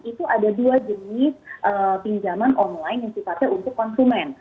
itu ada dua jenis pinjaman online yang sifatnya untuk konsumen